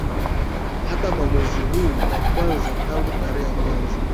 hata kwa mwezi huu wa kwanza tangu tarehe ya kwanza